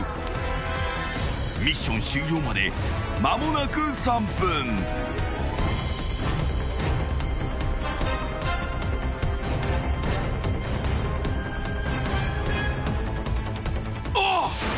［ミッション終了まで間もなく３分］あっ。